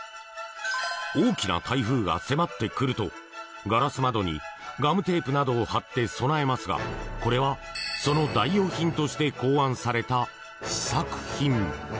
大きな台風が迫ってくるとガラス窓にガムテープなどを貼って備えますがこれは、その代用品として考案された試作品。